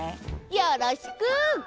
よろしく！